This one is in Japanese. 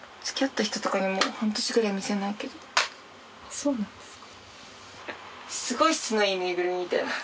そうなんですか。